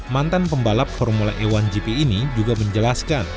mantan pembalap formula e satu gp ini juga menjelaskan